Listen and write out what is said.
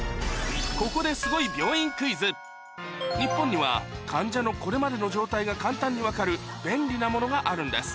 ここで日本には患者のこれまでの状態が簡単に分かる便利なものがあるんです